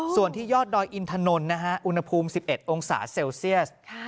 ส่วนที่ยอดดอยอินถนนนะฮะอุณหภูมิ๑๑องศาเซลเซียส